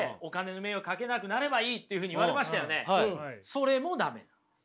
それも駄目なんです。